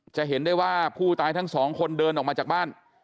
จะเห็นได้ว่าผู้ตายทั้งสองคนเดินออกมาจากบ้าน